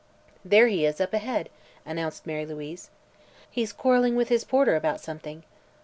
"There he is, up ahead," announced Mara Louise. "He's quarreling with his porter about something."